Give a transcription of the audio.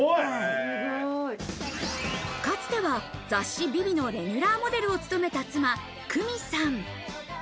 かつては雑誌『ＶｉＶｉ』のレギュラーモデルを務めた妻・玖美さん。